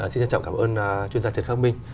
xin trân trọng cảm ơn chuyên gia trần khắc minh